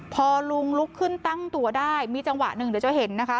พอลุงลุกขึ้นตั้งตัวได้มีจังหวะหนึ่งเดี๋ยวจะเห็นนะคะ